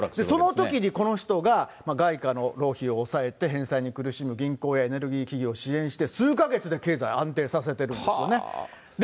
そのときにこの人が外貨の浪費を抑えて返済に苦しむ銀行、エネルギー企業を支援して、数か月で経済を安定させているんですよね。